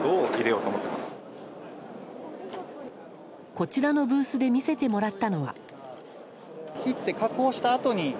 こちらのブースで見せてもらったのは。